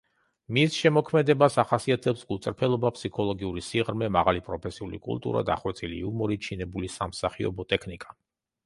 მის შემოქმედებას ახასიათებს გულწრფელობა, ფსიქოლოგიური სიღრმე, მაღალი პროფესიული კულტურა, დახვეწილი იუმორი, ჩინებული სამსახიობო ტექნიკა.